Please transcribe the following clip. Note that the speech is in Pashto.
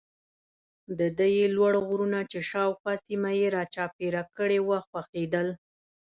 د ده یې لوړ غرونه چې شاوخوا سیمه یې را چاپېره کړې وه خوښېدل.